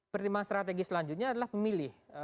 pertimbangan strategis selanjutnya adalah pemilih